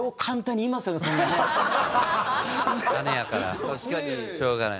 姉やからしょうがない。